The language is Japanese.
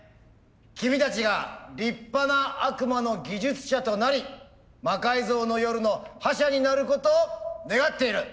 君たちが立派な悪魔の技術者となり「魔改造の夜」の覇者になることを願っている！